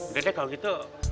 udah deh kalau gitu